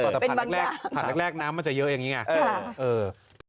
แต่ผัดแรกผัดแรกน้ำมันจะเยอะอย่างนี้ไง